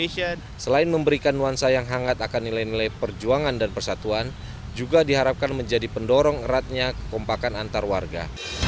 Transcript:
selain memberikan nuansa yang hangat akan nilai nilai perjuangan dan persatuan juga diharapkan menjadi pendorong eratnya kekompakan antar warga